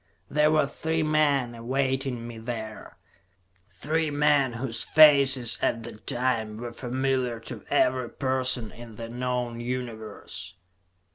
There were three men awaiting me there; three men whose faces, at that time, were familiar to every person in the known Universe.